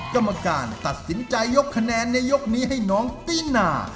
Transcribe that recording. กรรมการตัดสินใจยกคะแนนในยกนี้ให้น้องตินา